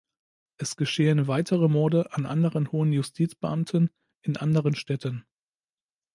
Es geschehen weitere Morde an anderen hohen Justizbeamten in anderen Städten.